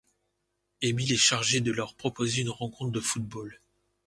Émile est chargé de leur proposer une rencontre de football.